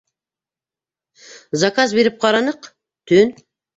Заказ биреп ҡараныҡ - төн.